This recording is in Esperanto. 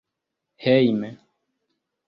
hejme